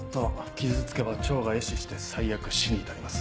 傷つけば腸が壊死して最悪死に至ります。